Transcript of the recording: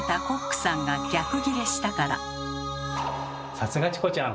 さすがチコちゃん！